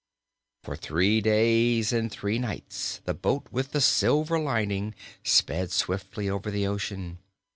For three days and three nights the boat with the silver lining sped swiftly over the ocean.